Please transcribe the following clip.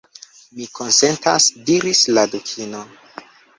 « Mi konsentas," diris la Dukino.